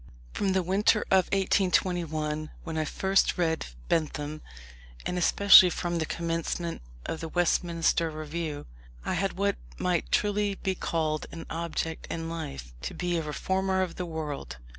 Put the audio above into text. From the winter of 1821, when I first read Bentham, and especially from the commencement of the Westminster Review, I had what might truly be called an object in life; to be a reformer of the world.